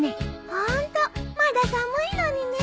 ホントまだ寒いのにね。